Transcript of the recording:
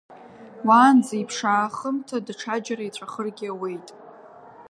Уаанӡа иԥшаахымҭа даҽаџьара иҵәахыргьы ауеит.